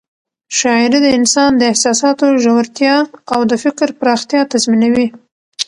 شاعري د انسان د احساساتو ژورتیا او د فکر پراختیا تضمینوي.